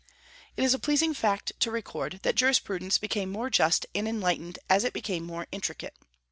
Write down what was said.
It is a pleasing fact to record, that jurisprudence became more just and enlightened as it became more intricate.